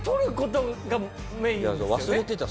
忘れてた。